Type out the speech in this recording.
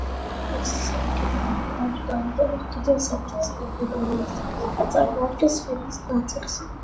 ლექსის ორიგინალს აქვს დამატებით კიდევ სამი სტროფი, რომელიც არ წარმოადგენს ჰიმნის ნაწილს.